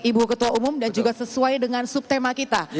ibu ketua umum dan juga sesuai dengan subtema kita